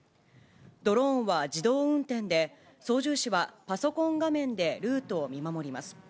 ドローンは自動運転で、操縦士はパソコン画面でルートを見守ります。